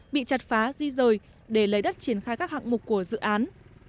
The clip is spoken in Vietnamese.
bị chặt phá di rời để lấy đất triển khai các hạng mục của dự án